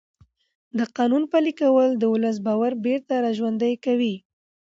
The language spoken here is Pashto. د قانون پلي کول د ولس باور بېرته راژوندی کوي